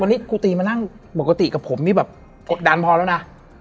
วันนี้ครูตีมานั่งปกติกับผมนี่แบบกดดันพอแล้วนะ